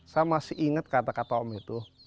saya masih ingat kata kata om itu